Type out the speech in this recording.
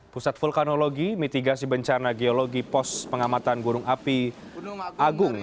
pusat vulkanologi mitigasi bencana geologi pos pengamatan gunung api agung